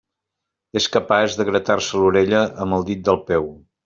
És capaç de gratar-se l'orella amb el dit del peu.